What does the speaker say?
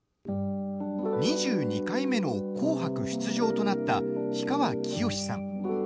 ２２回目の「紅白」出場となった氷川きよしさん。